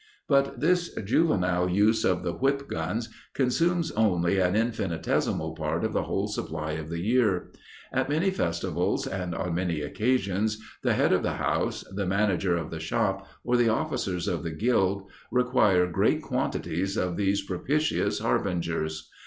But this juvenile use of the whip guns consumes only an infinitesimal part of the whole supply of the year. At many festivals and on many occasions the head of the house, the manager of the shop, or the officers of the gild require great quantities of these propitious harbingers.